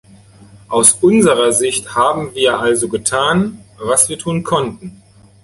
Aus unserer Sicht haben wir also getan, was wir tun konnten.